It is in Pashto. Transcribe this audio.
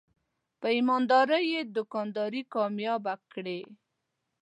په ایماندارۍ یې دوکانداري کامیابه کړې.